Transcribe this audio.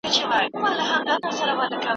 ستا او ستا د استاد مزاج سره برابر دی؟